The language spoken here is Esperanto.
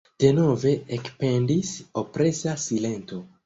Denove ekpendis opresa silento.